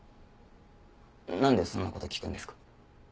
なんでそんな事聞くんですか？